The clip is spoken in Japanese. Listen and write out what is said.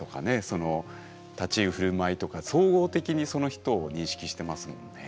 その立ち居振る舞いとか総合的にその人を認識してますもんね。